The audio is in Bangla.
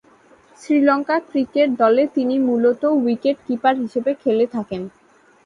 শ্রীলঙ্কা ক্রিকেট দলে তিনি মূলতঃ উইকেট-কিপার হিসেবে খেলে থাকেন।